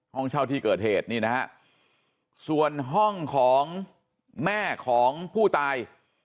ห้องเช่าที่เกิดเหตุนี่นะฮะส่วนห้องของแม่ของผู้ตาย